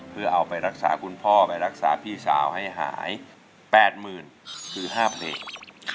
เพื่อเอาไปรักษาคุณพ่อไปรักษาพี่สาวให้หายแปดหมื่นคือห้าเพลงค่ะ